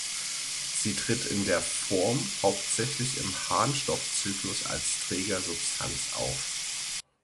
Sie tritt in der -Form hauptsächlich im Harnstoffzyklus als Trägersubstanz auf.